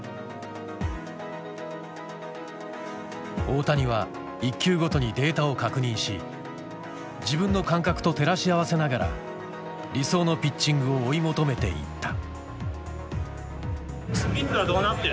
大谷は１球ごとにデータを確認し自分の感覚と照らし合わせながら理想のピッチングを追い求めていった。